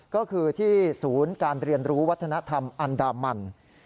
ก็คือที่ศูนย์การเรียนรู้วัฒนธรรมอันดามัน